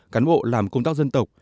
cán bộ làm công tác dân tộc